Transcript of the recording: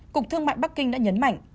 cục thương mại bắc kinh đã nhấn mạnh